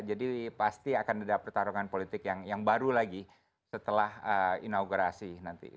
jadi pasti akan ada pertarungan politik yang baru lagi setelah inaugurasi nanti